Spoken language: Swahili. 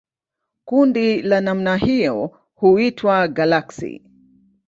Kundi la namna hiyo huitwa galaksi.